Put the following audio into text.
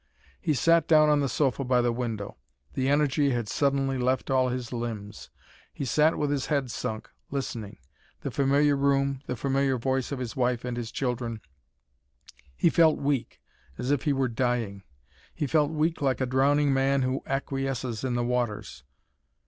He sat down on the sofa by the window. The energy had suddenly left all his limbs. He sat with his head sunk, listening. The familiar room, the familiar voice of his wife and his children he felt weak as if he were dying. He felt weak like a drowning man who acquiesces in the waters.